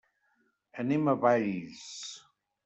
Anem a Valls.